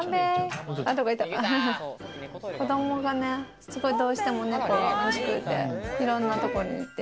子供がすごいどうしても猫が欲しくて、いろんなところに行って。